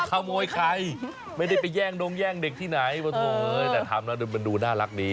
ขโมยใครไม่ได้ไปแย่งดงแย่งเด็กที่ไหนแต่ทำแล้วมันดูน่ารักดี